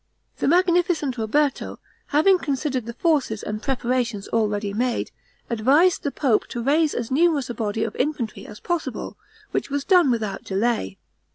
The magnificent Roberto, having considered the forces and preparations already made, advised the pope to raise as numerous a body of infantry as possible, which was done without delay.